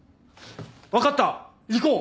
分かった行こう！